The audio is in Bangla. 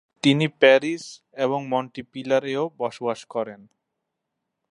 তিনি প্যারিস এবং মন্টেপিলার-এও বসবাস করেন।